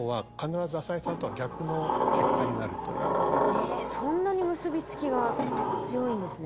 えっそんなに結び付きが強いんですね。